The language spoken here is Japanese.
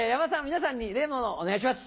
皆さんに例のものをお願いします。